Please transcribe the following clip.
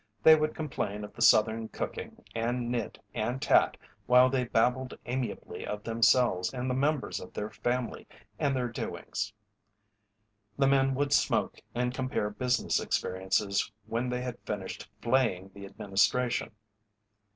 They would complain of the Southern cooking and knit and tat while they babbled amiably of themselves and the members of their family and their doings. The men would smoke and compare business experiences when they had finished flaying the Administration.